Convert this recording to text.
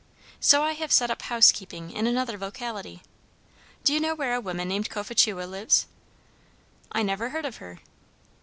So I have set up housekeeping in another locality. Do you know where a woman named Cophetua lives?" "I never heard of her."